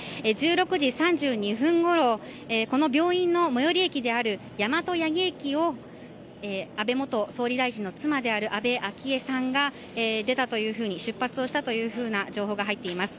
１６時３２分ごろこの病院の最寄り駅である大和八木駅を安倍元総理大臣の妻である安倍昭恵さんが出発をしたという情報が入っています。